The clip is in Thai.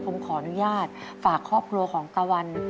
ผมขออนุญาตฝากครอบครัวของตะวัน